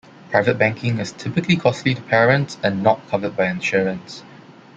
Private banking is typically costly to parents and not covered by insurance.